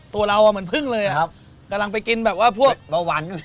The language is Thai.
ตัวเรามันพึ่งเลยอ่ะกำลังไปกินแบบว่าพูดเพราะหวาน